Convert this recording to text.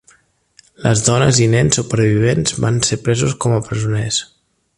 Les dones i nens supervivents van ser presos com a presoners.